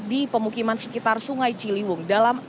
di pemukiman sekitar sungai ciliwung dalam